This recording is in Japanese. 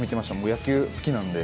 野球好きなんで。